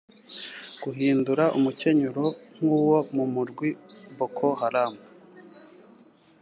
Guhindura umukenyuro kw'uwo murwi Boko Haram